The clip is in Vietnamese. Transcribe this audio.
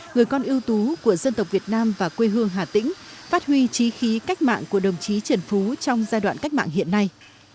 người con ưu tú của dân tộc việt nam và quê hương hà tĩnh phát huy trí khí cách mạng của đồng chí trần phú trong giai đoạn cách mạng hiện nay